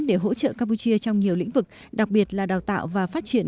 để hỗ trợ campuchia trong nhiều lĩnh vực đặc biệt là đào tạo và phát triển